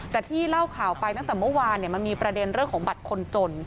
แต่ที่เล่าข่าวไปตั้งแต่เมื่อวานมันมีประเด็นเรื่องของบัตรคนจน